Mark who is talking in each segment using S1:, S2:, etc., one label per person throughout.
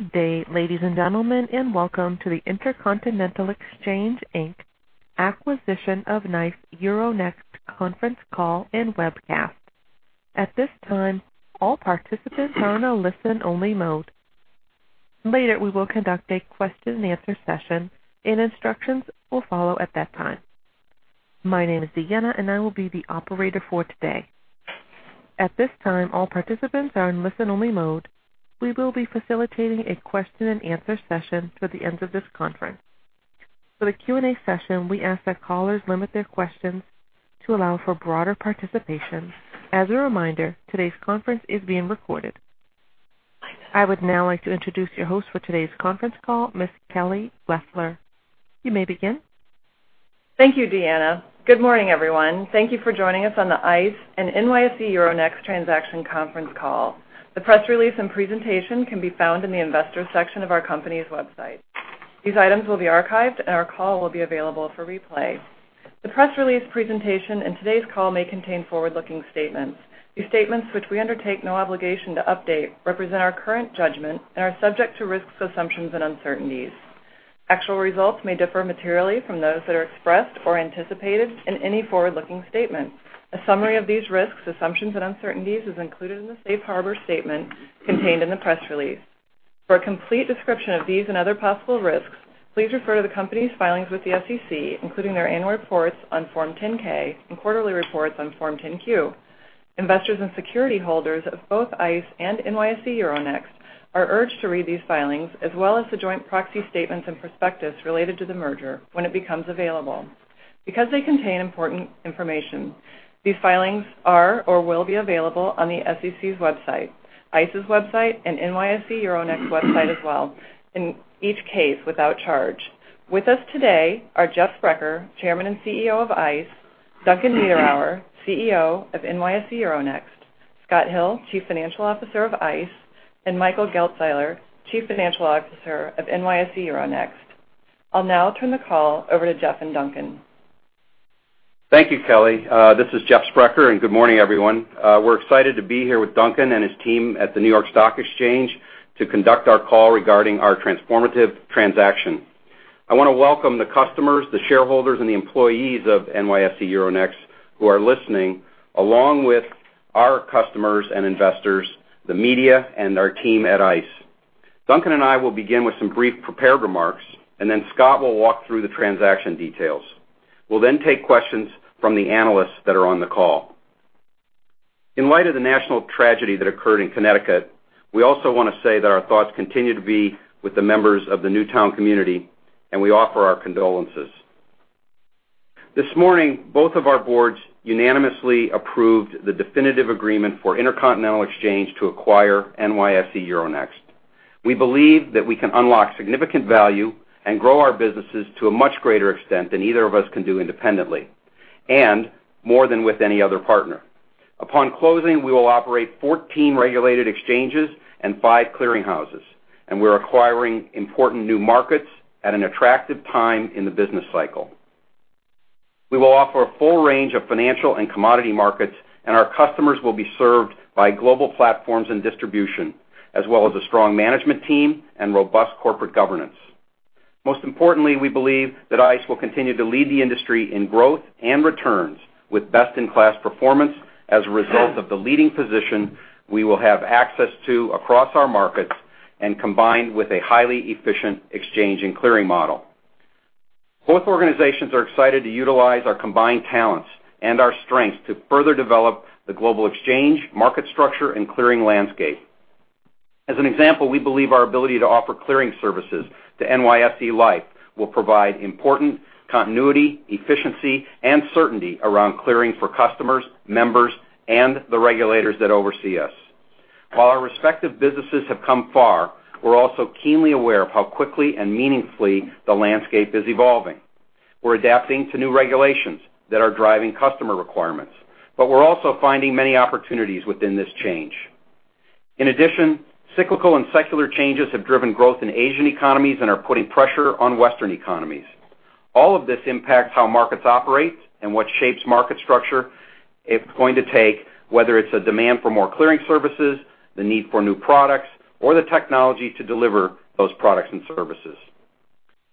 S1: Welcome to the Intercontinental Exchange Inc. acquisition of NYSE Euronext conference call and webcast. At this time, all participants are on a listen-only mode. Later, we will conduct a question and answer session. Instructions will follow at that time. My name is Deanna, and I will be the operator for today. At this time, all participants are in listen-only mode. We will be facilitating a question and answer session toward the end of this conference. For the Q&A session, we ask that callers limit their questions to allow for broader participation. As a reminder, today's conference is being recorded. I would now like to introduce your host for today's conference call, Ms. Kelly Loeffler. You may begin.
S2: Thank you, Deanna. Good morning, everyone. Thank you for joining us on the ICE and NYSE Euronext transaction conference call. The press release and presentation can be found in the investors section of our company's website. These items will be archived. Our call will be available for replay. The press release presentation and today's call may contain forward-looking statements. These statements, which we undertake no obligation to update, represent our current judgment and are subject to risks, assumptions, and uncertainties. Actual results may differ materially from those that are expressed or anticipated in any forward-looking statement. A summary of these risks, assumptions, and uncertainties is included in the safe harbor statement contained in the press release. For a complete description of these and other possible risks, please refer to the company's filings with the SEC, including their annual reports on Form 10-K and quarterly reports on Form 10-Q. Investors and security holders of both ICE and NYSE Euronext are urged to read these filings, as well as the joint proxy statements and prospectus related to the merger when it becomes available. Because they contain important information, these filings are or will be available on the SEC's website, ICE's website, and NYSE Euronext's website as well, in each case without charge. With us today are Jeff Sprecher, Chairman and CEO of ICE, Duncan Niederauer, CEO of NYSE Euronext, Scott Hill, Chief Financial Officer of ICE, and Michael Geltzeiler, Chief Financial Officer of NYSE Euronext. I'll now turn the call over to Jeff and Duncan.
S3: Thank you, Kelly. This is Jeff Sprecher. Good morning, everyone. We're excited to be here with Duncan and his team at the New York Stock Exchange to conduct our call regarding our transformative transaction. I want to welcome the customers, the shareholders, and the employees of NYSE Euronext who are listening, along with our customers and investors, the media, and our team at ICE. Duncan and I will begin with some brief prepared remarks. Scott will walk through the transaction details. We'll then take questions from the analysts that are on the call. In light of the national tragedy that occurred in Connecticut, we also want to say that our thoughts continue to be with the members of the Newtown community. We offer our condolences. This morning, both of our boards unanimously approved the definitive agreement for Intercontinental Exchange to acquire NYSE Euronext. We believe that we can unlock significant value and grow our businesses to a much greater extent than either of us can do independently, and more than with any other partner. Upon closing, we will operate 14 regulated exchanges and five clearing houses, and we're acquiring important new markets at an attractive time in the business cycle. We will offer a full range of financial and commodity markets, and our customers will be served by global platforms and distribution, as well as a strong management team and robust corporate governance. Most importantly, we believe that ICE will continue to lead the industry in growth and returns with best-in-class performance as a result of the leading position we will have access to across our markets and combined with a highly efficient exchange and clearing model. Both organizations are excited to utilize our combined talents and our strengths to further develop the global exchange, market structure, and clearing landscape. As an example, we believe our ability to offer clearing services to NYSE Liffe will provide important continuity, efficiency, and certainty around clearing for customers, members, and the regulators that oversee us. While our respective businesses have come far, we're also keenly aware of how quickly and meaningfully the landscape is evolving. We're adapting to new regulations that are driving customer requirements, but we're also finding many opportunities within this change. In addition, cyclical and secular changes have driven growth in Asian economies and are putting pressure on Western economies. All of this impacts how markets operate and what shapes market structure it's going to take, whether it's a demand for more clearing services, the need for new products, or the technology to deliver those products and services.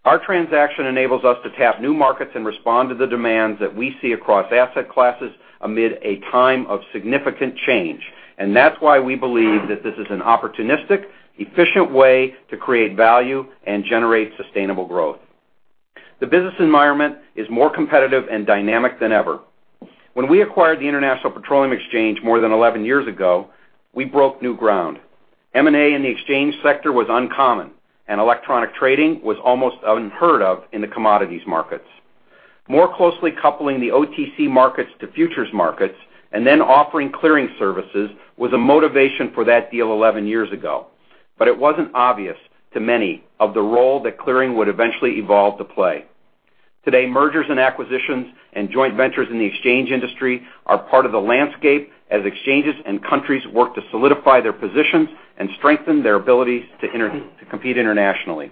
S3: Our transaction enables us to tap new markets and respond to the demands that we see across asset classes amid a time of significant change, and that's why we believe that this is an opportunistic, efficient way to create value and generate sustainable growth. The business environment is more competitive and dynamic than ever. When we acquired the International Petroleum Exchange more than 11 years ago, we broke new ground. M&A in the exchange sector was uncommon, and electronic trading was almost unheard of in the commodities markets. More closely coupling the OTC markets to futures markets and then offering clearing services was a motivation for that deal 11 years ago, but it wasn't obvious to many of the role that clearing would eventually evolve to play. Today, mergers and acquisitions and joint ventures in the exchange industry are part of the landscape as exchanges and countries work to solidify their positions and strengthen their abilities to compete internationally.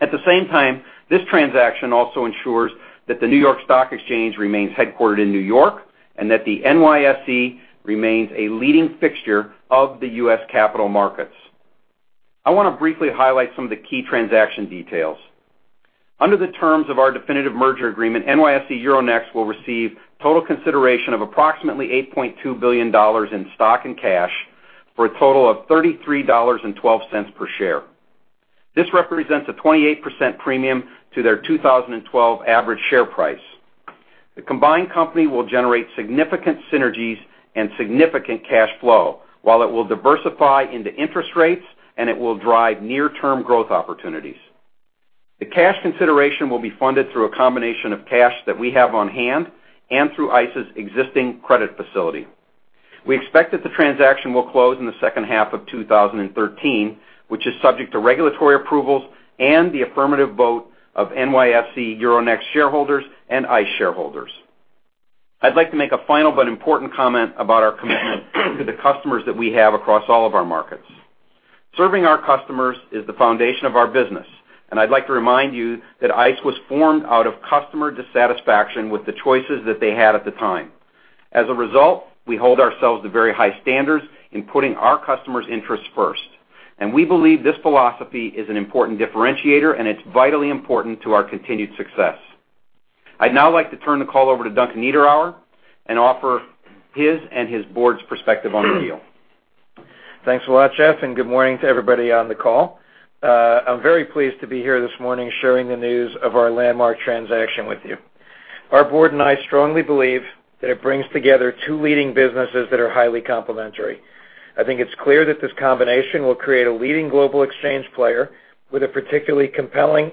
S3: At the same time, this transaction also ensures that the New York Stock Exchange remains headquartered in New York and that the NYSE remains a leading fixture of the U.S. capital markets. I want to briefly highlight some of the key transaction details. Under the terms of our definitive merger agreement, NYSE Euronext will receive total consideration of approximately $8.2 billion in stock and cash for a total of $33.12 per share. This represents a 28% premium to their 2012 average share price. The combined company will generate significant synergies and significant cash flow while it will diversify into interest rates, and it will drive near-term growth opportunities. The cash consideration will be funded through a combination of cash that we have on hand and through ICE's existing credit facility. We expect that the transaction will close in the second half of 2013, which is subject to regulatory approvals and the affirmative vote of NYSE Euronext shareholders and ICE shareholders. I'd like to make a final but important comment about our commitment to the customers that we have across all of our markets. Serving our customers is the foundation of our business, and I'd like to remind you that ICE was formed out of customer dissatisfaction with the choices that they had at the time. As a result, we hold ourselves to very high standards in putting our customers' interests first. We believe this philosophy is an important differentiator, and it's vitally important to our continued success. I'd now like to turn the call over to Duncan Niederauer and offer his and his board's perspective on the deal.
S4: Thanks a lot, Jeff, and good morning to everybody on the call. I'm very pleased to be here this morning sharing the news of our landmark transaction with you. Our board and I strongly believe that it brings together two leading businesses that are highly complementary. I think it's clear that this combination will create a leading global exchange player with a particularly compelling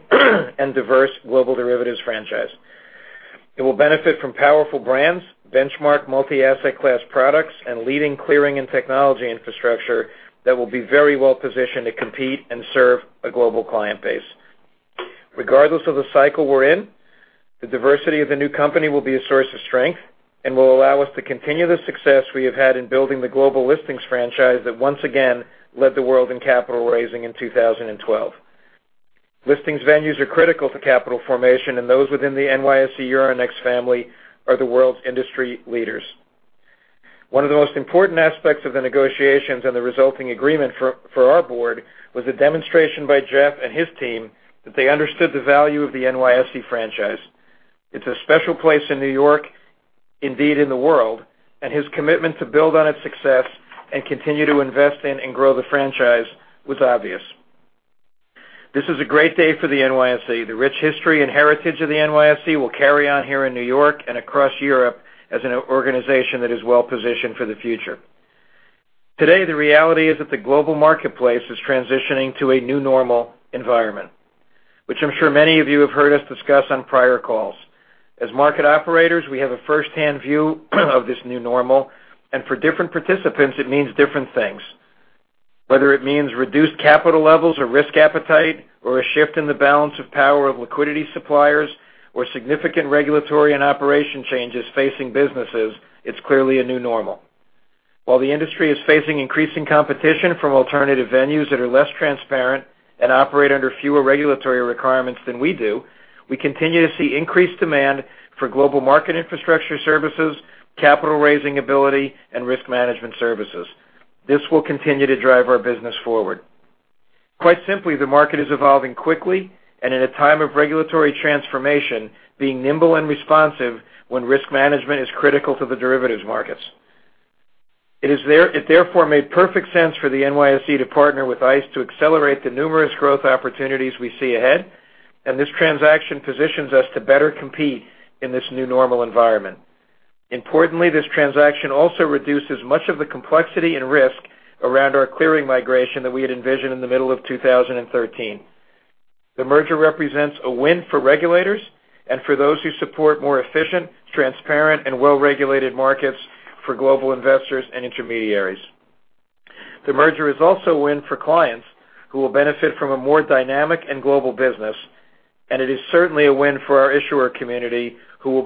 S4: and diverse global derivatives franchise. It will benefit from powerful brands, benchmark multi-asset class products, and leading clearing and technology infrastructure that will be very well positioned to compete and serve a global client base. Regardless of the cycle we're in, the diversity of the new company will be a source of strength and will allow us to continue the success we have had in building the global listings franchise that once again led the world in capital raising in 2012. Listings venues are critical to capital formation, and those within the NYSE Euronext family are the world's industry leaders. One of the most important aspects of the negotiations and the resulting agreement for our board was a demonstration by Jeff and his team that they understood the value of the NYSE franchise. It's a special place in New York, indeed, in the world, and his commitment to build on its success and continue to invest in and grow the franchise was obvious. This is a great day for the NYSE. The rich history and heritage of the NYSE will carry on here in New York and across Europe as an organization that is well positioned for the future. Today, the reality is that the global marketplace is transitioning to a new normal environment, which I'm sure many of you have heard us discuss on prior calls. As market operators, we have a first-hand view of this new normal, and for different participants, it means different things. Whether it means reduced capital levels or risk appetite, or a shift in the balance of power of liquidity suppliers, or significant regulatory and operation changes facing businesses, it's clearly a new normal. While the industry is facing increasing competition from alternative venues that are less transparent and operate under fewer regulatory requirements than we do, we continue to see increased demand for global market infrastructure services, capital raising ability, and risk management services. This will continue to drive our business forward. Quite simply, the market is evolving quickly and in a time of regulatory transformation, being nimble and responsive when risk management is critical to the derivatives markets. It therefore made perfect sense for the NYSE to partner with ICE to accelerate the numerous growth opportunities we see ahead, and this transaction positions us to better compete in this new normal environment. Importantly, this transaction also reduces much of the complexity and risk around our clearing migration that we had envisioned in the middle of 2013. The merger represents a win for regulators and for those who support more efficient, transparent, and well-regulated markets for global investors and intermediaries. The merger is also a win for clients who will benefit from a more dynamic and global business, and it is certainly a win for our issuer community who will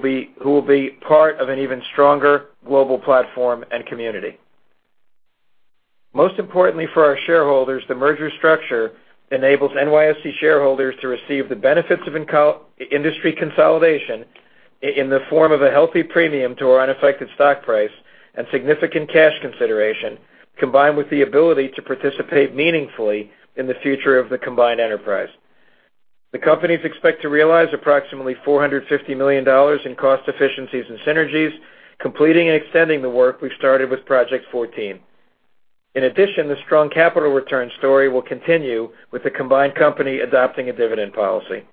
S4: be part of an even stronger global platform and community. Most importantly for our shareholders, the merger structure enables NYSE shareholders to receive the benefits of industry consolidation in the form of a healthy premium to our unaffected stock price and significant cash consideration, combined with the ability to participate meaningfully in the future of the combined enterprise. The companies expect to realize approximately $450 million in cost efficiencies and synergies, completing and extending the work we started with Project 14. In addition, the strong capital return story will continue with the combined company adopting a dividend policy.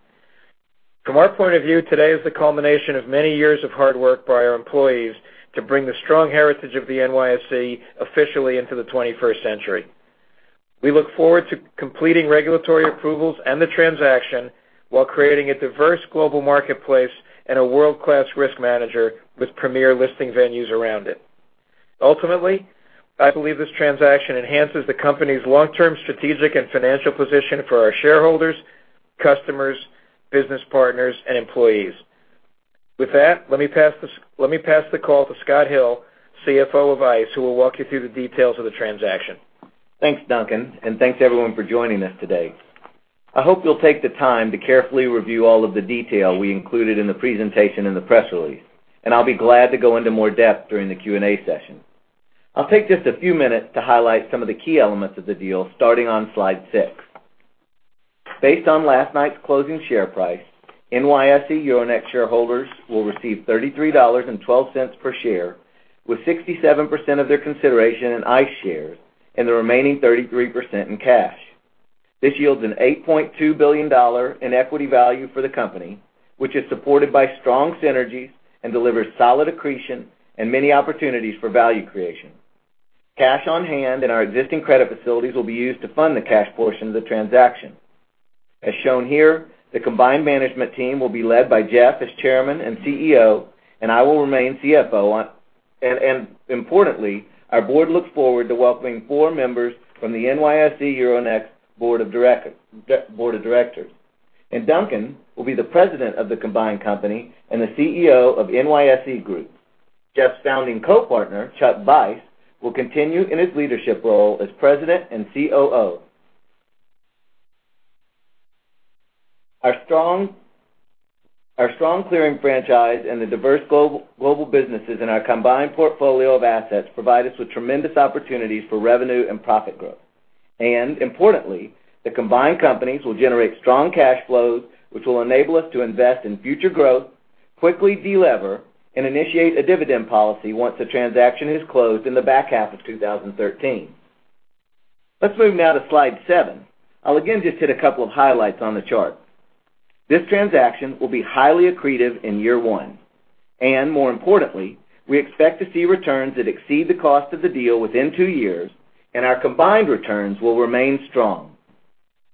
S4: From our point of view, today is the culmination of many years of hard work by our employees to bring the strong heritage of the NYSE officially into the 21st century. We look forward to completing regulatory approvals and the transaction while creating a diverse global marketplace and a world-class risk manager with premier listing venues around it. Ultimately, I believe this transaction enhances the company's long-term strategic and financial position for our shareholders, customers, business partners, and employees. With that, let me pass the call to Scott Hill, CFO of ICE, who will walk you through the details of the transaction.
S5: Thanks, Duncan, and thanks everyone for joining us today. I hope you'll take the time to carefully review all of the detail we included in the presentation and the press release. I'll be glad to go into more depth during the Q&A session. I'll take just a few minutes to highlight some of the key elements of the deal, starting on slide six. Based on last night's closing share price, NYSE Euronext shareholders will receive $33.12 per share, with 67% of their consideration in ICE shares and the remaining 33% in cash. This yields an $8.2 billion in equity value for the company, which is supported by strong synergies and delivers solid accretion and many opportunities for value creation. Cash on hand in our existing credit facilities will be used to fund the cash portion of the transaction. As shown here, the combined management team will be led by Jeff as Chairman and CEO. I will remain CFO. Importantly, our board looks forward to welcoming four members from the NYSE Euronext board of directors. Duncan will be the President of the combined company and the CEO of NYSE Group. Jeff's founding co-partner, Chuck Vice, will continue in his leadership role as President and COO. Our strong clearing franchise and the diverse global businesses in our combined portfolio of assets provide us with tremendous opportunities for revenue and profit growth. Importantly, the combined companies will generate strong cash flows, which will enable us to invest in future growth, quickly delever, and initiate a dividend policy once the transaction is closed in the back half of 2013. Let's move now to slide seven. I'll again just hit a couple of highlights on the chart. This transaction will be highly accretive in year one. More importantly, we expect to see returns that exceed the cost of the deal within two years, and our combined returns will remain strong.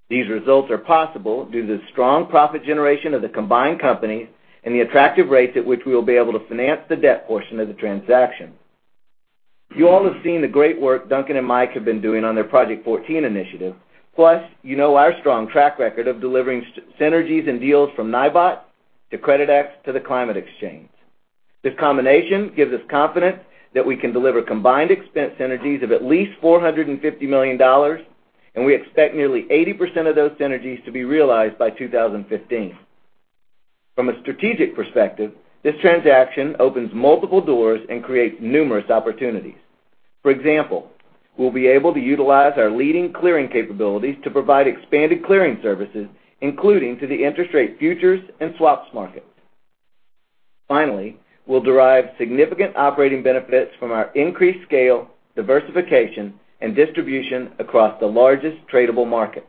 S5: These results are possible due to the strong profit generation of the combined company and the attractive rates at which we will be able to finance the debt portion of the transaction. You all have seen the great work Duncan and Mike have been doing on their Project 14 initiative. You know our strong track record of delivering synergies and deals from NYBOT to Creditex to the Climate Exchange. This combination gives us confidence that we can deliver combined expense synergies of at least $450 million. We expect nearly 80% of those synergies to be realized by 2015. From a strategic perspective, this transaction opens multiple doors and creates numerous opportunities. For example, we'll be able to utilize our leading clearing capabilities to provide expanded clearing services, including to the interest rate futures and swaps markets. Finally, we'll derive significant operating benefits from our increased scale, diversification, and distribution across the largest tradable markets.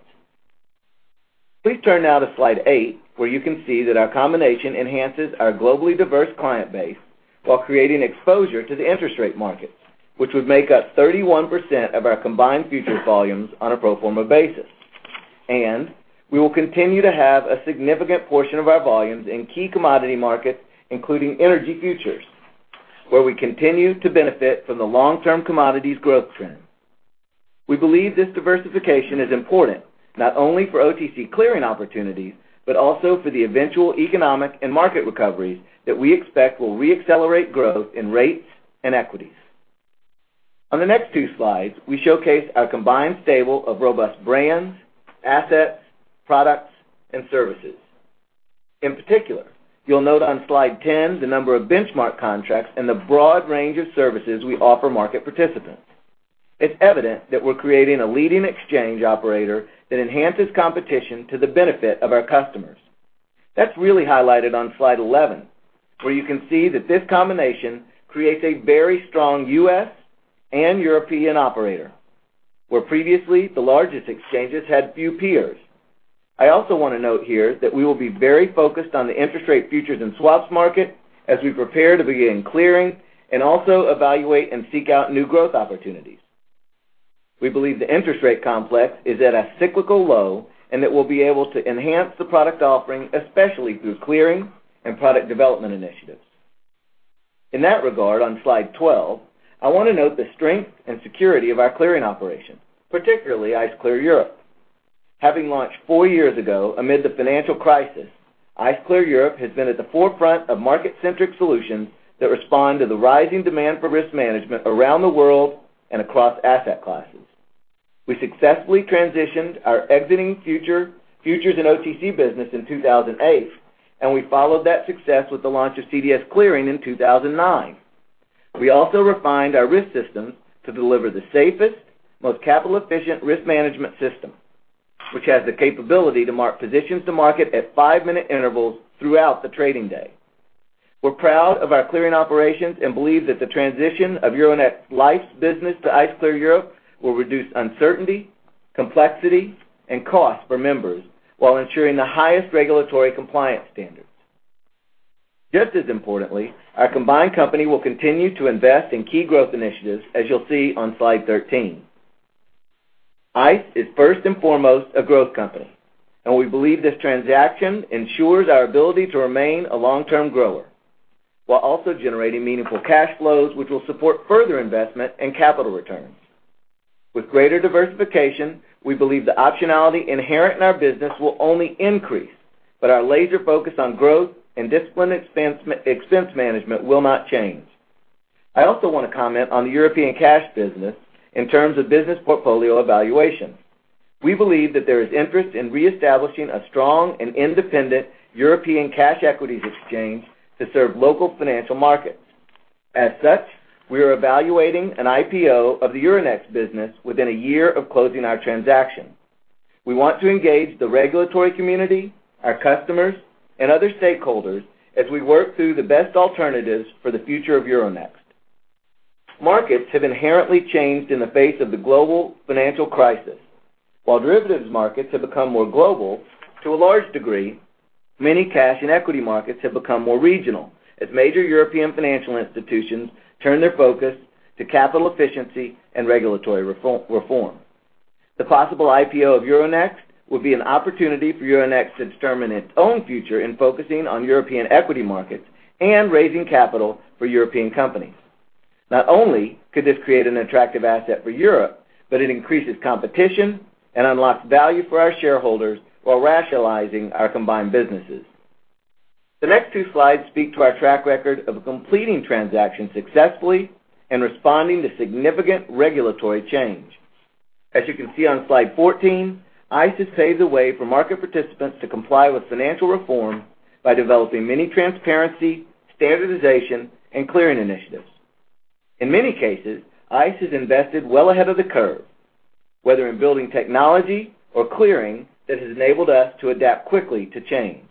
S5: Please turn now to slide eight, where you can see that our combination enhances our globally diverse client base while creating exposure to the interest rate markets, which would make up 31% of our combined futures volumes on a pro forma basis. We will continue to have a significant portion of our volumes in key commodity markets, including energy futures, where we continue to benefit from the long-term commodities growth trend. We believe this diversification is important, not only for OTC clearing opportunities, but also for the eventual economic and market recoveries that we expect will re-accelerate growth in rates and equities. On the next two slides, we showcase our combined stable of robust brands, assets, products, and services. In particular, you'll note on slide 10 the number of benchmark contracts and the broad range of services we offer market participants. It's evident that we're creating a leading exchange operator that enhances competition to the benefit of our customers. That's really highlighted on slide 11, where you can see that this combination creates a very strong U.S. and European operator, where previously the largest exchanges had few peers. I also want to note here that we will be very focused on the interest rate futures and swaps market as we prepare to begin clearing and also evaluate and seek out new growth opportunities. We believe the interest rate complex is at a cyclical low, and that we'll be able to enhance the product offering, especially through clearing and product development initiatives. In that regard, on slide 12, I want to note the strength and security of our clearing operation, particularly ICE Clear Europe. Having launched four years ago amid the financial crisis, ICE Clear Europe has been at the forefront of market-centric solutions that respond to the rising demand for risk management around the world and across asset classes. We successfully transitioned our exiting futures and OTC business in 2008. We followed that success with the launch of CDS Clearing in 2009. We also refined our risk systems to deliver the safest, most capital-efficient risk management system, which has the capability to mark positions to market at five-minute intervals throughout the trading day. We're proud of our clearing operations and believe that the transition of Euronext Liffe's business to ICE Clear Europe will reduce uncertainty, complexity, and cost for members while ensuring the highest regulatory compliance standards. Just as importantly, our combined company will continue to invest in key growth initiatives, as you'll see on slide 13. ICE is first and foremost a growth company. We believe this transaction ensures our ability to remain a long-term grower while also generating meaningful cash flows, which will support further investment and capital returns. With greater diversification, we believe the optionality inherent in our business will only increase. Our laser focus on growth and disciplined expense management will not change. I also want to comment on the European cash business in terms of business portfolio evaluation. We believe that there is interest in reestablishing a strong and independent European cash equities exchange to serve local financial markets. As such, we are evaluating an IPO of the Euronext business within a year of closing our transaction. We want to engage the regulatory community, our customers, and other stakeholders as we work through the best alternatives for the future of Euronext. Markets have inherently changed in the face of the global financial crisis. While derivatives markets have become more global, to a large degree, many cash and equity markets have become more regional, as major European financial institutions turn their focus to capital efficiency and regulatory reform. The possible IPO of Euronext would be an opportunity for Euronext to determine its own future in focusing on European equity markets and raising capital for European companies. Not only could this create an attractive asset for Europe, it increases competition and unlocks value for our shareholders while rationalizing our combined businesses. The next two slides speak to our track record of completing transactions successfully and responding to significant regulatory change. As you can see on slide 14, ICE has paved the way for market participants to comply with financial reform by developing many transparency, standardization, and clearing initiatives. In many cases, ICE has invested well ahead of the curve, whether in building technology or clearing that has enabled us to adapt quickly to change.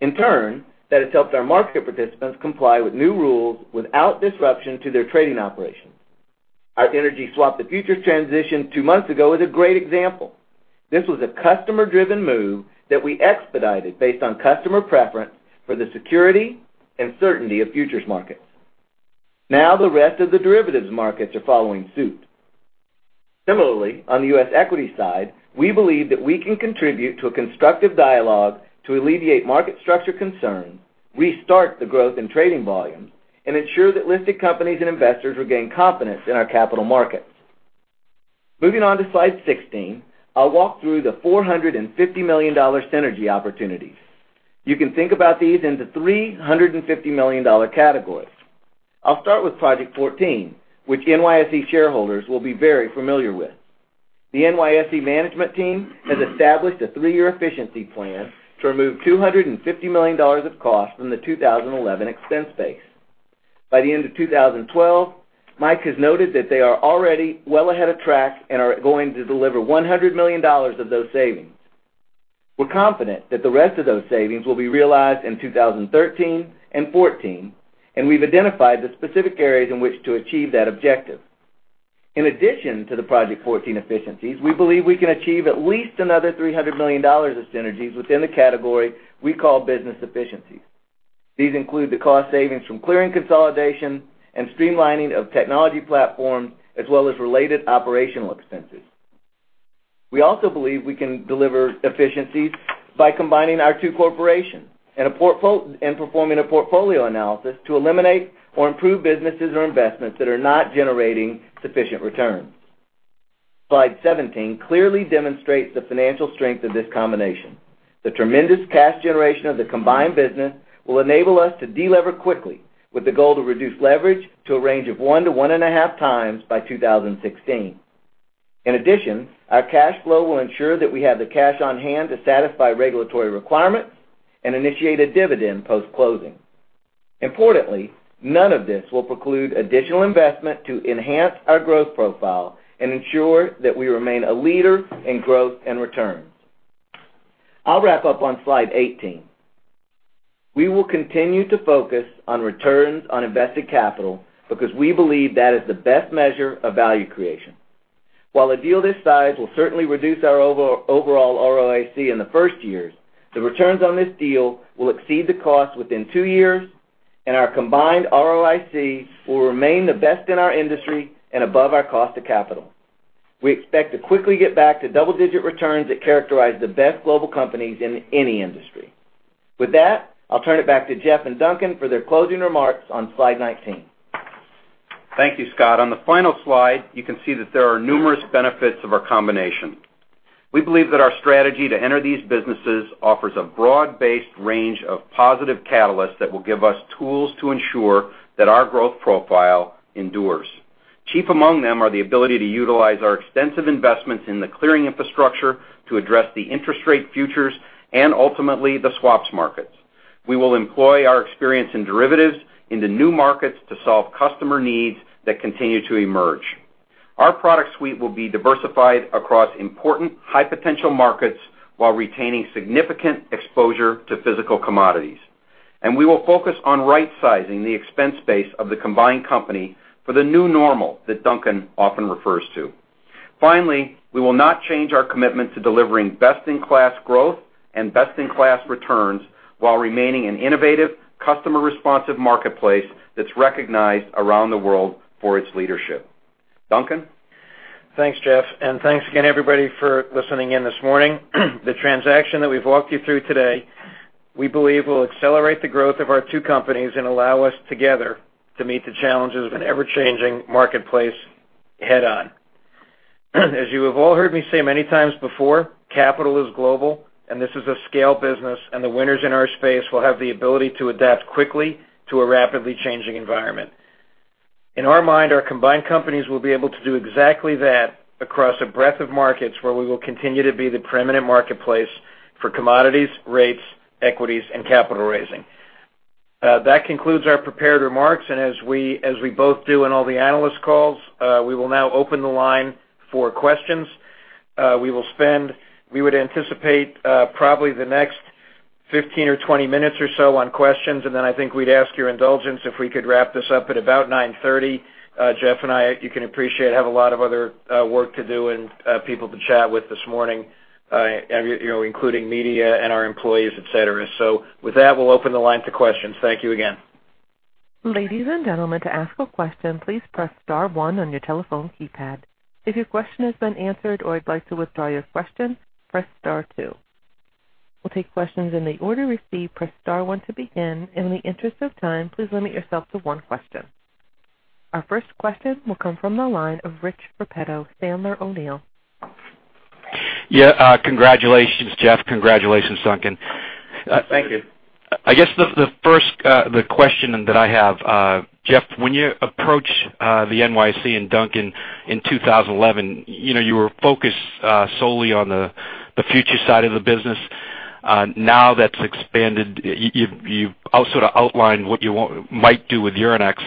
S5: In turn, that has helped our market participants comply with new rules without disruption to their trading operations. Our energy swap to futures transition two months ago is a great example. This was a customer-driven move that we expedited based on customer preference for the security and certainty of futures markets. Now the rest of the derivatives markets are following suit. Similarly, on the U.S. equity side, we believe that we can contribute to a constructive dialogue to alleviate market structure concerns, restart the growth in trading volumes, and ensure that listed companies and investors regain confidence in our capital markets. Moving on to slide 16, I'll walk through the $450 million synergy opportunities. You can think about these into 3 $150 million categories. I'll start with Project 14, which NYSE shareholders will be very familiar with. The NYSE management team has established a three-year efficiency plan to remove $250 million of costs from the 2011 expense base. By the end of 2012, Mike has noted that they are already well ahead of track and are going to deliver $100 million of those savings. We're confident that the rest of those savings will be realized in 2013 and 2014. We've identified the specific areas in which to achieve that objective. In addition to the Project 14 efficiencies, we believe we can achieve at least another $300 million of synergies within the category we call business efficiencies. These include the cost savings from clearing consolidation and streamlining of technology platforms, as well as related operational expenses. We also believe we can deliver efficiencies by combining our two corporations and performing a portfolio analysis to eliminate or improve businesses or investments that are not generating sufficient returns. Slide 17 clearly demonstrates the financial strength of this combination. The tremendous cash generation of the combined business will enable us to de-lever quickly with the goal to reduce leverage to a range of one to one and a half times by 2016. In addition, our cash flow will ensure that we have the cash on hand to satisfy regulatory requirements and initiate a dividend post-closing. Importantly, none of this will preclude additional investment to enhance our growth profile and ensure that we remain a leader in growth and returns. I'll wrap up on slide 18. We will continue to focus on returns on invested capital because we believe that is the best measure of value creation. While a deal this size will certainly reduce our overall ROIC in the first years, the returns on this deal will exceed the cost within two years. Our combined ROIC will remain the best in our industry and above our cost of capital. We expect to quickly get back to double-digit returns that characterize the best global companies in any industry. With that, I'll turn it back to Jeff and Duncan for their closing remarks on slide 19.
S3: Thank you, Scott. On the final slide, you can see that there are numerous benefits of our combination. We believe that our strategy to enter these businesses offers a broad-based range of positive catalysts that will give us tools to ensure that our growth profile endures. Chief among them are the ability to utilize our extensive investments in the clearing infrastructure to address the interest rate futures and ultimately the swaps markets. We will employ our experience in derivatives in the new markets to solve customer needs that continue to emerge. Our product suite will be diversified across important high-potential markets while retaining significant exposure to physical commodities. We will focus on right-sizing the expense base of the combined company for the new normal that Duncan often refers to. Finally, we will not change our commitment to delivering best-in-class growth and best-in-class returns while remaining an innovative, customer-responsive marketplace that's recognized around the world for its leadership. Duncan?
S4: Thanks, Jeff. Thanks again, everybody, for listening in this morning. The transaction that we've walked you through today. We believe will accelerate the growth of our two companies and allow us together to meet the challenges of an ever-changing marketplace head on. As you have all heard me say many times before, capital is global, and this is a scale business, and the winners in our space will have the ability to adapt quickly to a rapidly changing environment. In our mind, our combined companies will be able to do exactly that across a breadth of markets where we will continue to be the preeminent marketplace for commodities, rates, equities, and capital raising. That concludes our prepared remarks. As we both do in all the analyst calls, we will now open the line for questions. We would anticipate probably the next 15 or 20 minutes or so on questions. I think we'd ask your indulgence if we could wrap this up at about 9:30 A.M. Jeffrey and I, you can appreciate, have a lot of other work to do and people to chat with this morning, including media and our employees, et cetera. With that, we'll open the line to questions. Thank you again.
S1: Ladies and gentlemen, to ask a question, please press *1 on your telephone keypad. If your question has been answered or you'd like to withdraw your question, press *2. We'll take questions in the order received. Press *1 to begin. In the interest of time, please limit yourself to one question. Our first question will come from the line of Rich Repetto, Sandler O'Neill.
S6: Congratulations, Jeffrey. Congratulations, Duncan.
S4: Thank you.
S6: I guess the first question that I have, Jeff, when you approached the NYSE and Duncan in 2011, you were focused solely on the futures side of the business. Now that's expanded. You've also outlined what you might do with Euronext.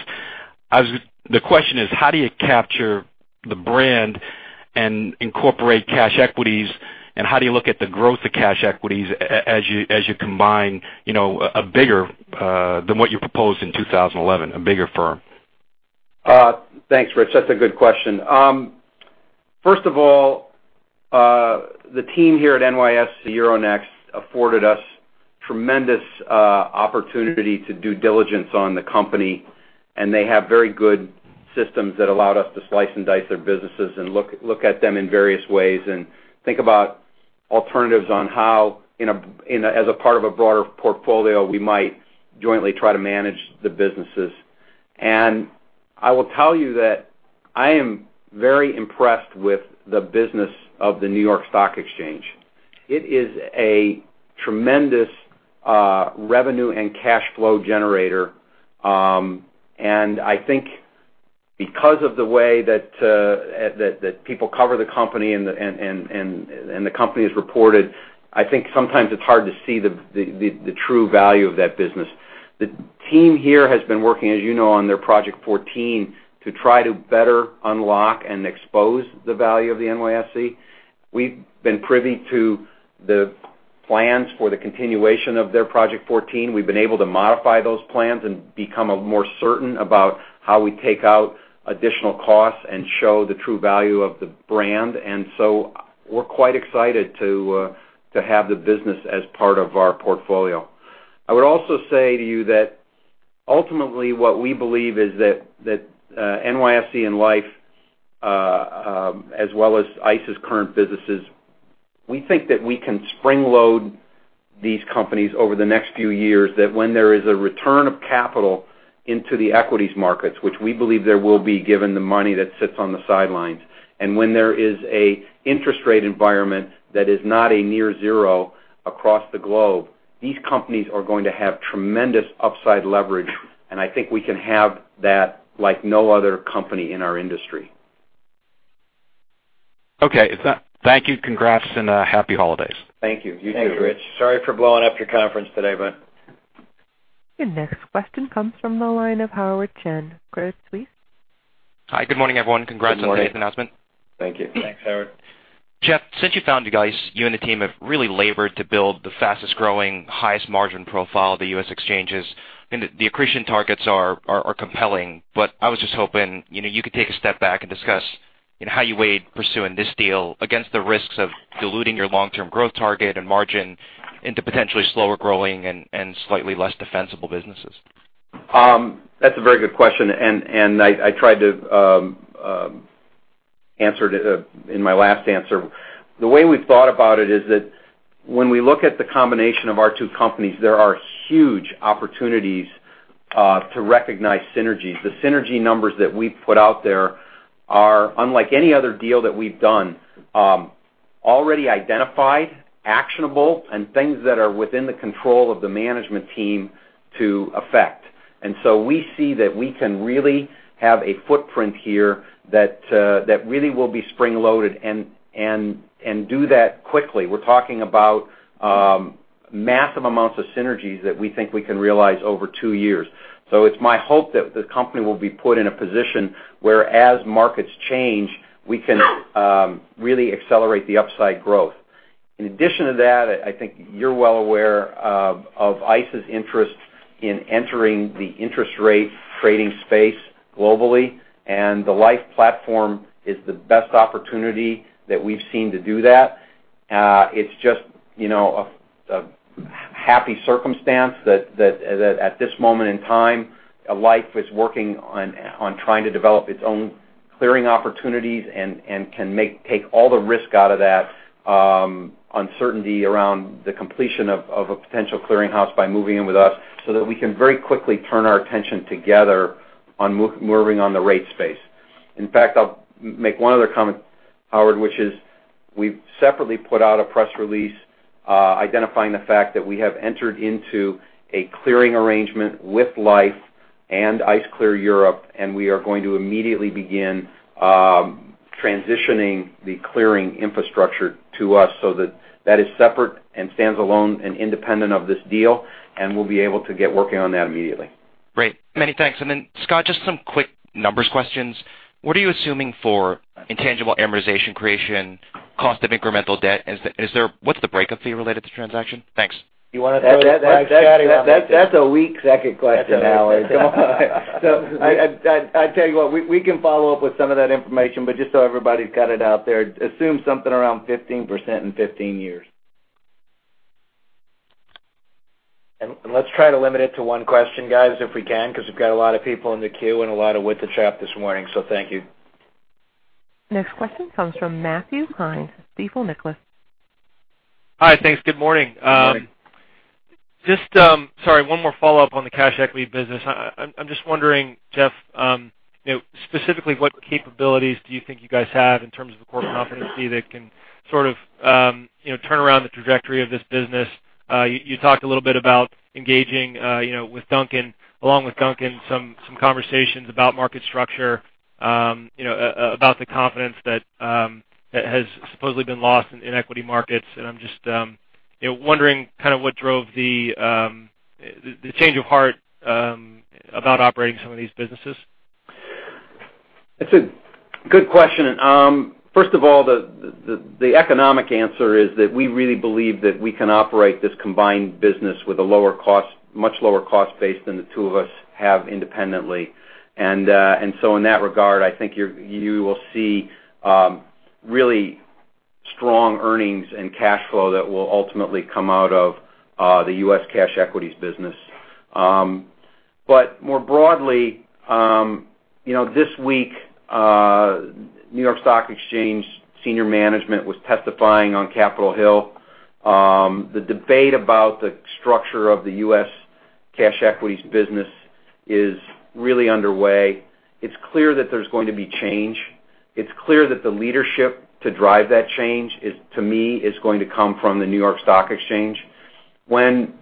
S6: The question is, how do you capture the brand and incorporate cash equities, and how do you look at the growth of cash equities as you combine a bigger, than what you proposed in 2011, a bigger firm?
S3: Thanks, Rich. That's a good question. First of all, the team here at NYSE Euronext afforded us tremendous opportunity to due diligence on the company, and they have very good systems that allowed us to slice and dice their businesses and look at them in various ways and think about alternatives on how, as a part of a broader portfolio, we might jointly try to manage the businesses. I will tell you that I am very impressed with the business of the New York Stock Exchange. It is a tremendous revenue and cash flow generator, I think because of the way that people cover the company and the company is reported, I think sometimes it's hard to see the true value of that business. The team here has been working, as you know, on their Project 14 to try to better unlock and expose the value of the NYSE. We've been privy to the plans for the continuation of their Project 14. We've been able to modify those plans and become more certain about how we take out additional costs and show the true value of the brand. We're quite excited to have the business as part of our portfolio. I would also say to you that ultimately what we believe is that NYSE Liffe, as well as ICE's current businesses, we think that we can spring load these companies over the next few years, that when there is a return of capital into the equities markets, which we believe there will be given the money that sits on the sidelines, when there is an interest rate environment that is not a near zero across the globe, these companies are going to have tremendous upside leverage, I think we can have that like no other company in our industry.
S6: Okay. Thank you. Congrats and happy holidays.
S4: Thank you. You too, Rich. Thanks. Sorry for blowing up your conference today, bud.
S1: Your next question comes from the line of Howard Chen, Credit Suisse.
S7: Hi, good morning, everyone.
S4: Good morning.
S7: Congrats on today's announcement.
S4: Thank you. Thanks, Howard.
S7: Jeff, since you found the guys, you and the team have really labored to build the fastest-growing, highest margin profile of the U.S. exchanges, and the accretion targets are compelling, but I was just hoping you could take a step back and discuss how you weighed pursuing this deal against the risks of diluting your long-term growth target and margin into potentially slower growing and slightly less defensible businesses.
S3: That's a very good question. I tried to answer it in my last answer. The way we thought about it is that when we look at the combination of our two companies, there are huge opportunities to recognize synergies. The synergy numbers that we put out there are unlike any other deal that we've done, already identified, actionable, and things that are within the control of the management team to affect. We see that we can really have a footprint here that really will be spring-loaded and do that quickly. We're talking about massive amounts of synergies that we think we can realize over two years. It's my hope that the company will be put in a position where as markets change, we can really accelerate the upside growth. In addition to that, I think you're well aware of ICE's interest in entering the interest rate trading space globally, the Liffe platform is the best opportunity that we've seen to do that. It's just a happy circumstance that at this moment in time, Liffe is working on trying to develop its own clearing opportunities and can take all the risk out of that uncertainty around the completion of a potential clearinghouse by moving in with us, so that we can very quickly turn our attention together on moving on the rate space. In fact, I'll make one other comment, Howard, which is we've separately put out a press release identifying the fact that we have entered into a clearing arrangement with Liffe and ICE Clear Europe. We are going to immediately begin transitioning the clearing infrastructure to us so that that is separate and stands alone and independent of this deal, and we'll be able to get working on that immediately.
S7: Great. Many thanks. Scott, just some quick numbers questions. What are you assuming for intangible amortization creation, cost of incremental debt? What's the breakup fee related to the transaction? Thanks.
S3: You want to go to that, Scott?
S5: That's a weak second question, Howard. I tell you what, we can follow up with some of that information, but just so everybody's got it out there, assume something around 15% in 15 years.
S3: Let's try to limit it to one question, guys, if we can, because we've got a lot of people in the queue and a lot of wit to trap this morning. Thank you.
S1: Next question comes from Matthew Klein, Stifel Nicolaus.
S8: Hi, thanks. Good morning.
S3: Good morning.
S8: Sorry, one more follow-up on the cash equity business. I'm just wondering, Jeff, specifically what capabilities do you think you guys have in terms of core competency that can turn around the trajectory of this business? You talked a little bit about engaging with Duncan, along with Duncan, some conversations about market structure, about the confidence that has supposedly been lost in equity markets. I'm just wondering what drove the change of heart about operating some of these businesses.
S3: It's a good question. First of all, the economic answer is that we really believe that we can operate this combined business with a much lower cost base than the two of us have independently. In that regard, I think you will see really strong earnings and cash flow that will ultimately come out of the U.S. cash equities business. More broadly, this week, New York Stock Exchange senior management was testifying on Capitol Hill. The debate about the structure of the U.S. cash equities business is really underway. It's clear that there's going to be change. It's clear that the leadership to drive that change, to me, is going to come from the New York Stock Exchange. When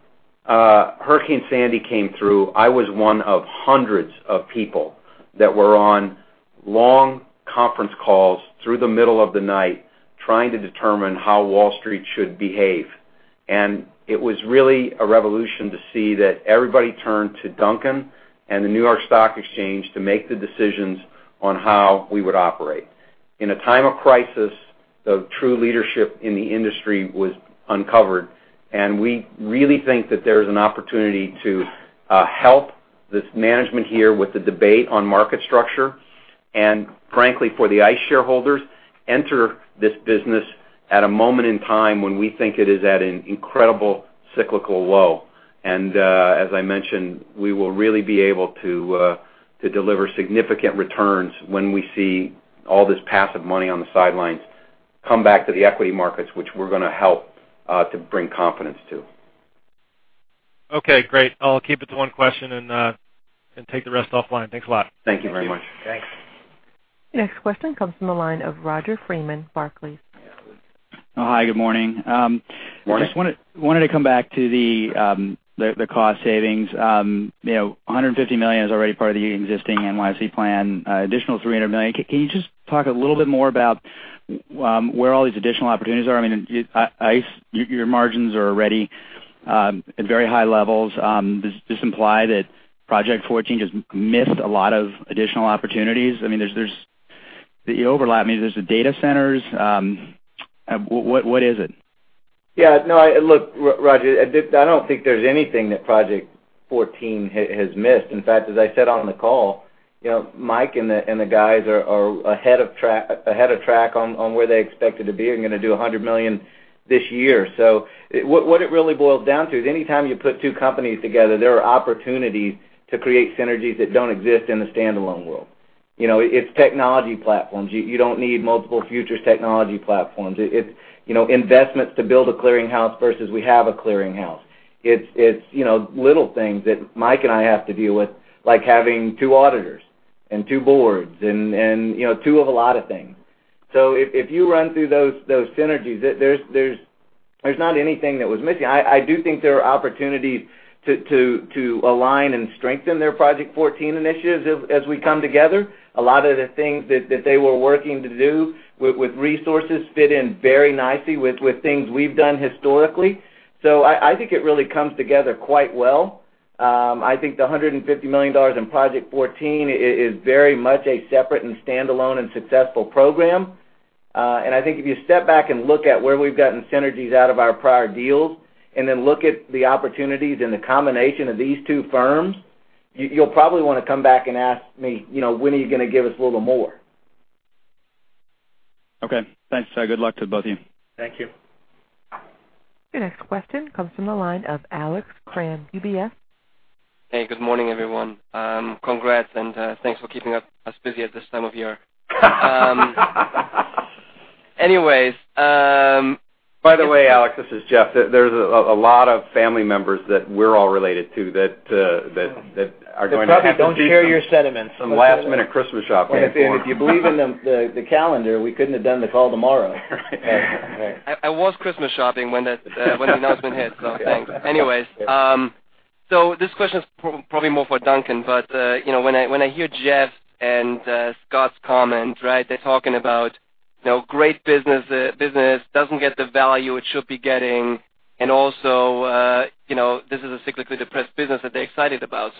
S3: Hurricane Sandy came through, I was one of hundreds of people that were on long conference calls through the middle of the night trying to determine how Wall Street should behave. It was really a revolution to see that everybody turned to Duncan and the New York Stock Exchange to make the decisions on how we would operate. In a time of crisis, the true leadership in the industry was uncovered, and we really think that there is an opportunity to help this management here with the debate on market structure, and frankly, for the ICE shareholders, enter this business at a moment in time when we think it is at an incredible cyclical low. As I mentioned, we will really be able to deliver significant returns when we see all this passive money on the sidelines come back to the equity markets, which we're going to help to bring confidence to.
S8: Okay, great. I'll keep it to one question and take the rest offline. Thanks a lot.
S3: Thank you very much.
S5: Thanks.
S1: Next question comes from the line of Roger Freeman, Barclays.
S9: Hi, good morning.
S3: Morning.
S9: Just wanted to come back to the cost savings. $150 million is already part of the existing NYSE plan, additional $300 million. Can you just talk a little bit more about where all these additional opportunities are? I mean, ICE, your margins are already at very high levels. Does this imply that Project 14 just missed a lot of additional opportunities? I mean, the overlap, I mean, there's the data centers. What is it?
S5: Yeah. No, look, Roger, I don't think there's anything that Project 14 has missed. In fact, as I said on the call, Mike and the guys are ahead of track on where they expected to be and going to do $100 million this year. What it really boils down to is anytime you put two companies together, there are opportunities to create synergies that don't exist in the standalone world. It's technology platforms. You don't need multiple futures technology platforms. It's investments to build a clearinghouse versus we have a clearinghouse. It's little things that Mike and I have to deal with, like having two auditors and two boards and two of a lot of things. If you run through those synergies, there's not anything that was missing. I do think there are opportunities to align and strengthen their Project 14 initiatives as we come together. A lot of the things that they were working to do with resources fit in very nicely with things we've done historically. I think it really comes together quite well. I think the $150 million in Project 14 is very much a separate and standalone and successful program. I think if you step back and look at where we've gotten synergies out of our prior deals, and then look at the opportunities and the combination of these two firms, you'll probably want to come back and ask me, "When are you going to give us a little more?
S9: Okay. Thanks. Good luck to both of you.
S3: Thank you.
S1: Your next question comes from the line of Alex Kramm, UBS.
S10: Hey, good morning, everyone. Thanks for keeping us busy at this time of year.
S3: By the way, Alex, this is Jeff. There's a lot of family members that we're all related to that are going to have to do.
S4: They probably don't share your sentiments.
S3: some last-minute Christmas shopping for them.
S4: If you believe in the calendar, we couldn't have done the call tomorrow.
S10: I was Christmas shopping when the announcement hit. Thanks. Anyways, this question is probably more for Duncan, but when I hear Jeff and Scott's comments, right? They're talking about great business doesn't get the value it should be getting. Also, this is a cyclically depressed business that they're excited about.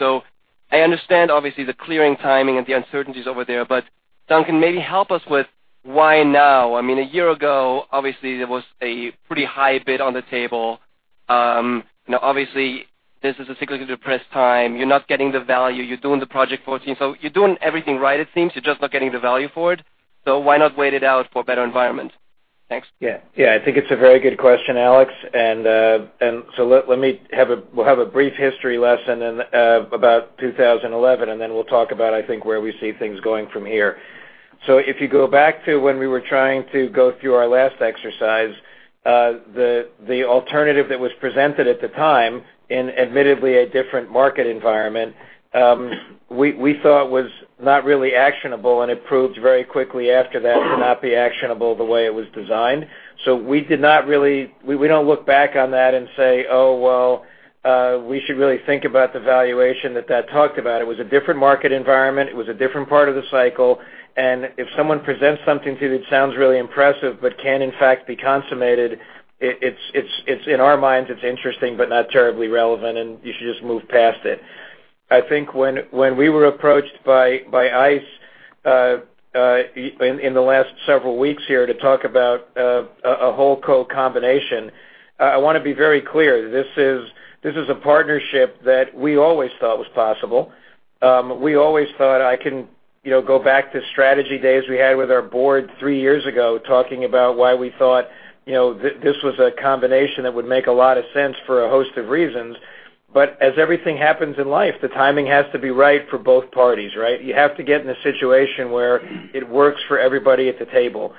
S10: I understand, obviously, the clearing timing and the uncertainties over there, but Duncan, maybe help us with why now? I mean, a year ago, obviously, there was a pretty high bid on the table. Now obviously, this is a cyclically depressed time. You're not getting the value. You're doing the Project 14. You're doing everything right, it seems, you're just not getting the value for it. Why not wait it out for a better environment? Thanks.
S4: Yeah. I think it's a very good question, Alex. We'll have a brief history lesson in about 2011, and then we'll talk about, I think, where we see things going from here. If you go back to when we were trying to go through our last exercise, the alternative that was presented at the time, in admittedly a different market environment, we thought was not really actionable, and it proved very quickly after that to not be actionable the way it was designed. We don't look back on that and say, "Oh, well, we should really think about the valuation that that talked about." It was a different market environment. It was a different part of the cycle. If someone presents something to you that sounds really impressive but can, in fact, be consummated, in our minds, it's interesting but not terribly relevant, and you should just move past it. I think when we were approached by ICE in the last several weeks here to talk about a whole co-combination, I want to be very clear. This is a partnership that we always thought was possible. We always thought I can go back to strategy days we had with our board three years ago, talking about why we thought this was a combination that would make a lot of sense for a host of reasons. As everything happens in life, the timing has to be right for both parties, right? You have to get in a situation where it works for everybody at the table.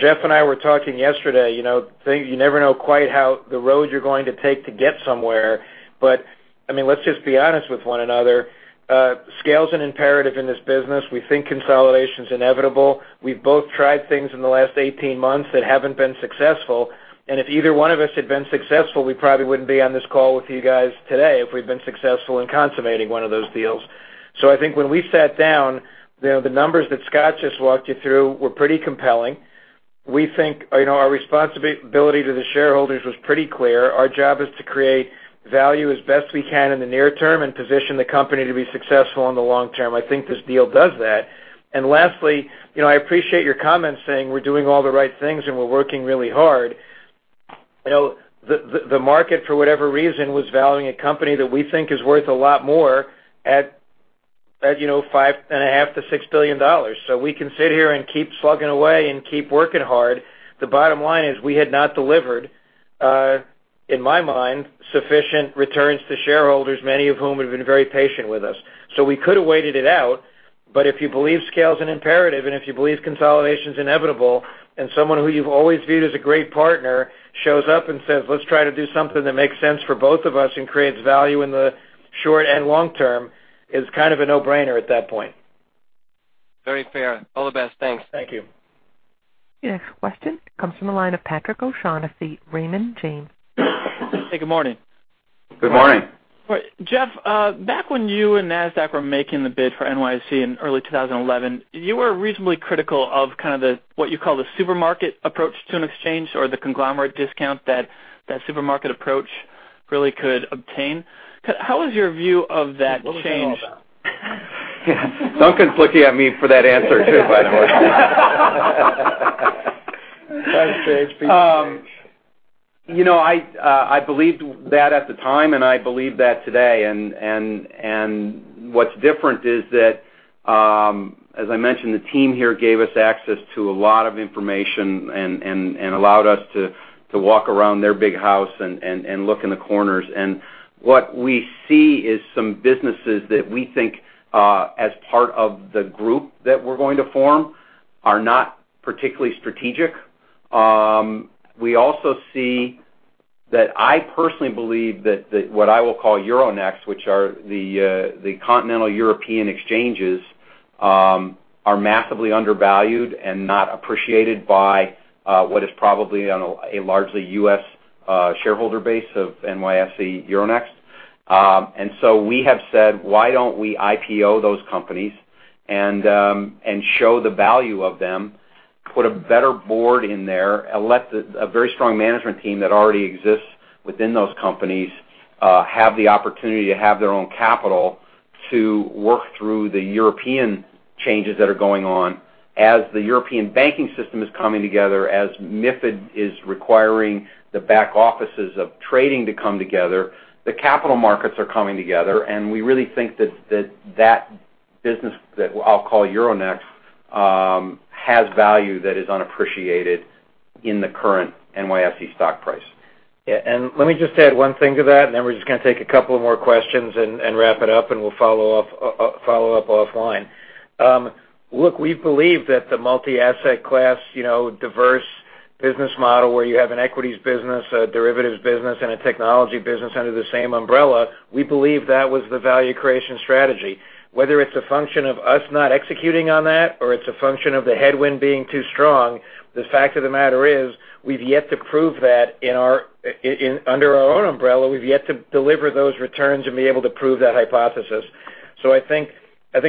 S4: Jeff and I were talking yesterday, you never know quite how the road you're going to take to get somewhere. I mean, let's just be honest with one another. Scale's an imperative in this business. We think consolidation's inevitable. We've both tried things in the last 18 months that haven't been successful. If either one of us had been successful, we probably wouldn't be on this call with you guys today, if we'd been successful in consummating one of those deals. I think when we sat down, the numbers that Scott just walked you through were pretty compelling. We think our responsibility to the shareholders was pretty clear. Our job is to create value as best we can in the near term and position the company to be successful in the long term. I think this deal does that. Lastly, I appreciate your comments saying we're doing all the right things and we're working really hard. The market, for whatever reason, was valuing a company that we think is worth a lot more at $5.5 billion-$6 billion. We can sit here and keep slugging away and keep working hard. The bottom line is we had not delivered, in my mind, sufficient returns to shareholders, many of whom have been very patient with us. We could have waited it out, but if you believe scale is an imperative, and if you believe consolidation is inevitable, and someone who you've always viewed as a great partner shows up and says, "Let's try to do something that makes sense for both of us and creates value in the short and long term," it's kind of a no-brainer at that point.
S10: Very fair. All the best, Thanks.
S4: Thank you.
S1: Your next question comes from the line of Patrick O'Shaughnessy, Raymond James.
S11: Hey, good morning.
S4: Good morning.
S11: Jeff, back when you and Nasdaq were making the bid for NYSE in early 2011, you were reasonably critical of kind of what you call the supermarket approach to an exchange or the conglomerate discount that supermarket approach really could obtain. How has your view of that changed?
S3: What was that all about? Duncan's looking at me for that answer, too, by the way.
S4: Times change. People change.
S3: I believed that at the time, I believe that today. What's different is that, as I mentioned, the team here gave us access to a lot of information and allowed us to walk around their big house and look in the corners. What we see is some businesses that we think, as part of the group that we're going to form, are not particularly strategic. We also see that I personally believe that what I will call Euronext, which are the continental European exchanges, are massively undervalued and not appreciated by what is probably a largely U.S. shareholder base of NYSE Euronext.
S4: We have said, why don't we IPO those companies and show the value of them, put a better board in there, elect a very strong management team that already exists within those companies, have the opportunity to have their own capital to work through the European changes that are going on. As the European banking system is coming together, as MiFID is requiring the back offices of trading to come together, the capital markets are coming together, we really think that that business that I'll call Euronext, has value that is unappreciated in the current NYSE stock price. Yeah. Let me just add one thing to that. Then we're just going to take a couple more questions and wrap it up, we'll follow up offline. Look, we believe that the multi-asset class, diverse business model, where you have an equities business, a derivatives business, and a technology business under the same umbrella, we believe that was the value creation strategy. Whether it's a function of us not executing on that or it's a function of the headwind being too strong, the fact of the matter is, we've yet to prove that under our own umbrella. We've yet to deliver those returns and be able to prove that hypothesis. I think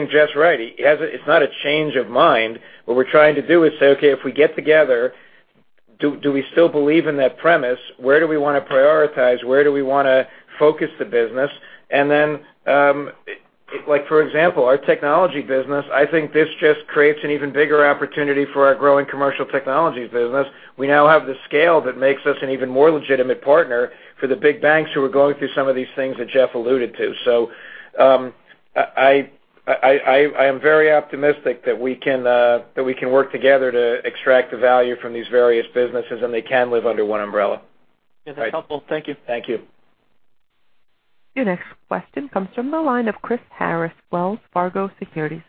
S4: Jeff right. It's not a change of mind. What we're trying to do is say, "Okay, if we get together, do we still believe in that premise? Where do we want to prioritize? Where do we want to focus the business?" For example, our technology business, I think this just creates an even bigger opportunity for our growing commercial technologies business. We now have the scale that makes us an even more legitimate partner for the big banks who are going through some of these things that Jeff alluded to. I am very optimistic that we can work together to extract the value from these various businesses, and they can live under one umbrella.
S11: Yeah, that's helpful. Thank you. Thank you.
S1: Your next question comes from the line of Chris Harris, Wells Fargo Securities.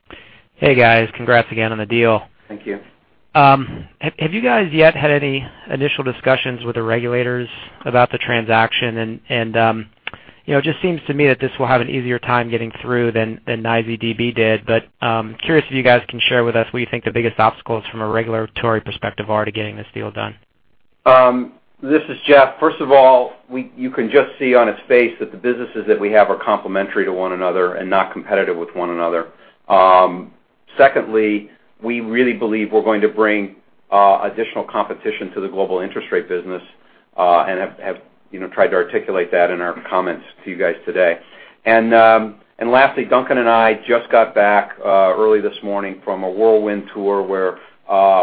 S12: Hey, guys. Congrats again on the deal.
S4: Thank you.
S12: Have you guys yet had any initial discussions with the regulators about the transaction? It just seems to me that this will have an easier time getting through than NYSE DB did. I'm curious if you guys can share with us what you think the biggest obstacles from a regulatory perspective are to getting this deal done.
S3: This is Jeff. First of all, you can just see on its face that the businesses that we have are complementary to one another and not competitive with one another. Secondly, we really believe we're going to bring additional competition to the global interest rate business, have tried to articulate that in our comments to you guys today. Lastly, Duncan and I just got back early this morning from a whirlwind tour where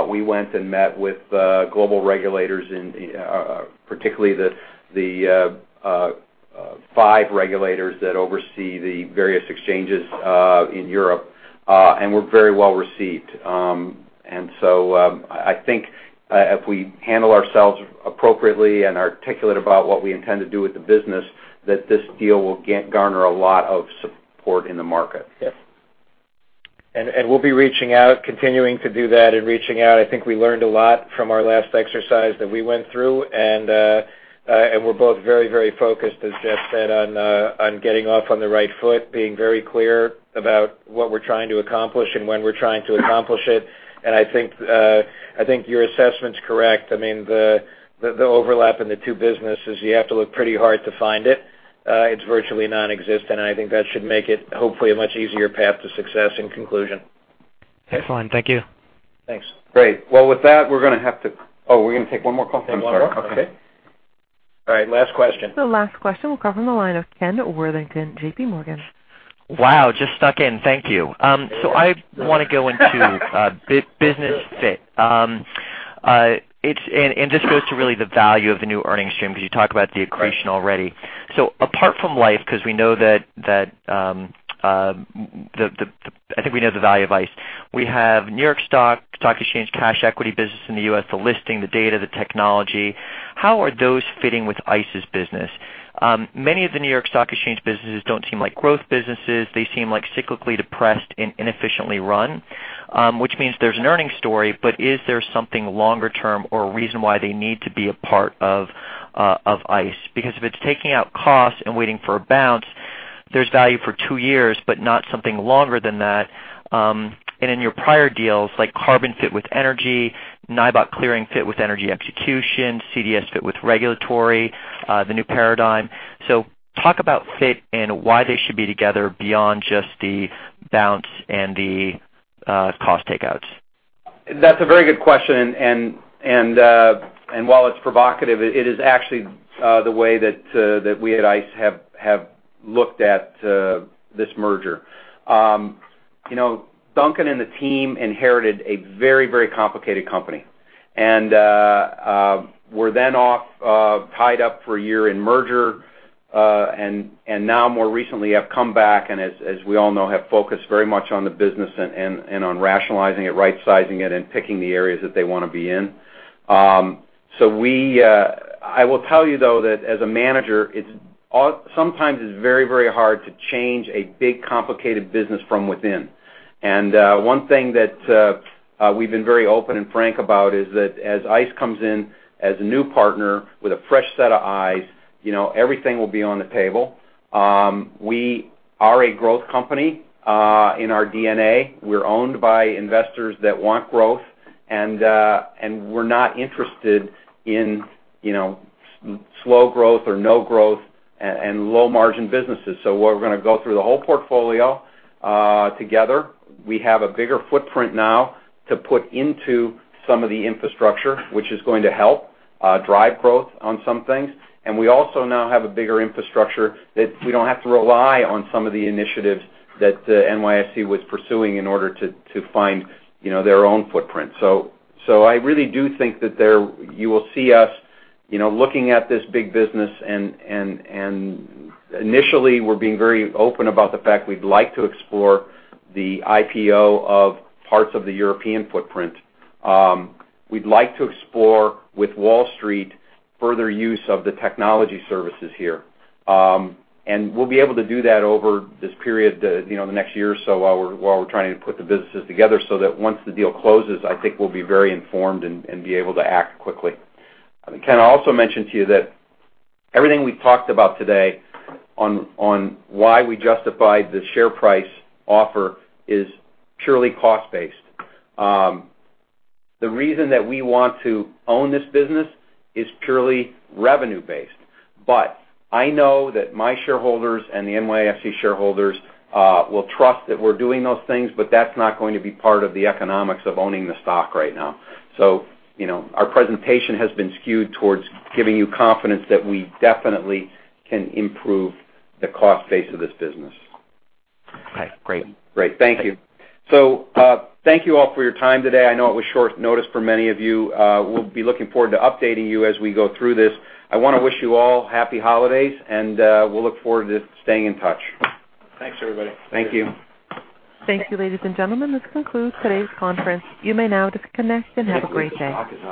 S3: we went and met with global regulators, particularly the five regulators that oversee the various exchanges in Europe, we're very well-received. So, I think if we handle ourselves appropriately and are articulate about what we intend to do with the business, that this deal will garner a lot of support in the market. Yes. We'll be reaching out, continuing to do that and reaching out. I think we learned a lot from our last exercise that we went through, we're both very focused, as Jeff said, on getting off on the right foot, being very clear about what we're trying to accomplish and when we're trying to accomplish it. I think your assessment's correct. The overlap in the two businesses, you have to look pretty hard to find it. It's virtually nonexistent, I think that should make it hopefully a much easier path to success in conclusion.
S12: Excellent. Thank you.
S4: Thanks. Great. Well, with that, we're going to take one more question. Sorry. Take one more? Okay. All right, last question.
S1: The last question will come from the line of Ken Worthington, JPMorgan.
S13: Wow, just stuck in. Thank you. I want to go into business fit. This goes to really the value of the new earnings stream, because you talked about the accretion already. Apart from Liffe, because I think we know the value of ICE. We have New York Stock Exchange cash equity business in the U.S., the listing, the data, the technology. How are those fitting with ICE's business? Many of the New York Stock Exchange businesses don't seem like growth businesses. They seem cyclically depressed and inefficiently run, which means there's an earnings story, but is there something longer term or a reason why they need to be a part of ICE? If it's taking out costs and waiting for a bounce, there's value for two years, but not something longer than that. In your prior deals, like Carbon fit with energy, NYBOT Clearing fit with energy execution, CDS fit with regulatory, the new paradigm. Talk about fit and why they should be together beyond just the bounce and the cost takeouts.
S3: That's a very good question, and while it's provocative, it is actually the way that we at ICE have looked at this merger. Duncan and the team inherited a very complicated company. Were then off, tied up for a year in merger, and now more recently have come back and as we all know, have focused very much on the business and on rationalizing it, right-sizing it, and picking the areas that they want to be in. I will tell you, though, that as a manager, sometimes it's very hard to change a big, complicated business from within. One thing that we've been very open and frank about is that as ICE comes in as a new partner with a fresh set of eyes, everything will be on the table. We are a growth company. In our DNA, we're owned by investors that want growth, and we're not interested in slow growth or no growth and low-margin businesses. We're going to go through the whole portfolio together. We have a bigger footprint now to put into some of the infrastructure, which is going to help drive growth on some things. We also now have a bigger infrastructure that we don't have to rely on some of the initiatives that NYSE was pursuing in order to find their own footprint. I really do think that you will see us looking at this big business, and initially, we're being very open about the fact we'd like to explore the IPO of parts of the European footprint. We'd like to explore with Wall Street further use of the technology services here. We'll be able to do that over this period, the next year or so while we're trying to put the businesses together, so that once the deal closes, I think we'll be very informed and be able to act quickly. Ken, I also mentioned to you that everything we talked about today on why we justified the share price offer is purely cost-based. The reason that we want to own this business is purely revenue-based, but I know that my shareholders and the NYSE shareholders will trust that we're doing those things, but that's not going to be part of the economics of owning the stock right now. Our presentation has been skewed towards giving you confidence that we definitely can improve the cost base of this business.
S13: Right. Great.
S4: Great. Thank you. Thank you all for your time today. I know it was short notice for many of you. We'll be looking forward to updating you as we go through this. I want to wish you all happy holidays, and we'll look forward to staying in touch. Thanks, everybody. Thank you.
S1: Thank you, ladies and gentlemen. This concludes today's conference. You may now disconnect and have a great day.
S4: The stock is up.